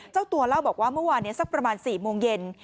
เจ้าตัวเล่าบอกว่าเมื่อวานนี้สักประมาณ๔โมงเย็น